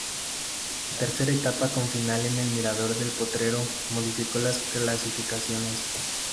La tercera etapa con final en el Mirador del Potrero, modificó las clasificaciones.